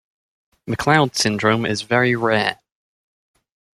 McLeod syndrome is very rare.